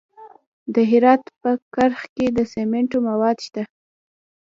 د هرات په کرخ کې د سمنټو مواد شته.